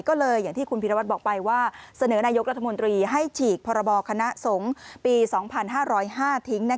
ก็เลยอย่างที่คุณพิรวัตรบอกไปว่าเสนอนายกรัฐมนตรีให้ฉีกพรบคณะสงฆ์ปี๒๕๐๕ทิ้ง